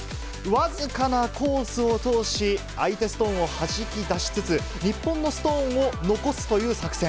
僅かなコースを通し、相手ストーンをはじき出しつつ、日本のストーンを残すという作戦。